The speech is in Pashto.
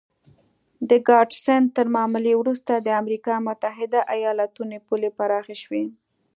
د ګاډسن تر معاملې وروسته د امریکا متحده ایالتونو پولې پراخې شوې.